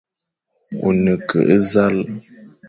Ô ne ke e zal,